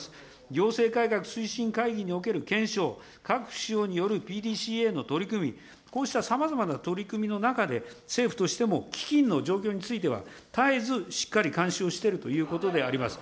行政改革推進会議における検証、各府省によるＰＤＣＤの取り組み、こうしたさまざまな取り組みの中で、政府としても基金の状況については、絶えずしっかり監視をしているということであります。